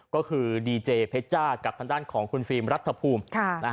ก็คือดีเจเพชจ้ากับทางด้านของคุณฟิล์มรัฐภูมิ